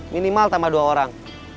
minimal tambah dua orang